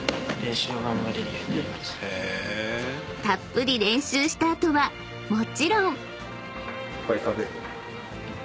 ［たっぷり練習した後はもちろん］